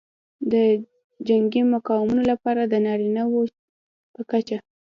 د جنګي مقامونو لپاره د نارینه وو په کچه